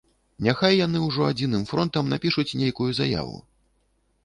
Няхай яны ўжо адзіным фронтам напішуць нейкую заяву.